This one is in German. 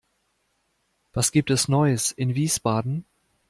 Was gibt es Neues in Wiesbaden?